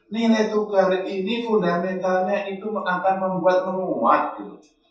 nilai tukar ini fundamentalnya itu akan membuat menguat gitu